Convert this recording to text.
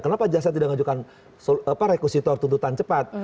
kenapa jaksa tidak menunjukkan rekusitor tuntutan cepat